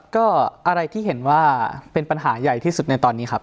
ก็อะไรที่เห็นว่าเป็นปัญหาใหญ่ที่สุดในตอนนี้ครับ